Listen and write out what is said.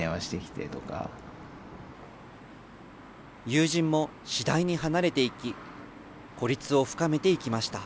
友人も次第に離れていき、孤立を深めていきました。